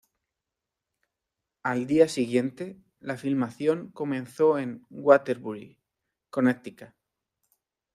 Al día siguiente, la filmación comenzó en Waterbury, Connecticut.